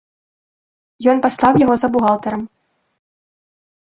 Ён паслаў яго за бухгалтарам.